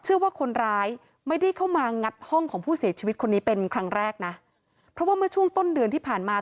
ว่าคนร้ายไม่ได้เข้ามางัดห้องของผู้เสียชีวิตคนนี้เป็นครั้งแรกนะเพราะว่าเมื่อช่วงต้นเดือนที่ผ่านมา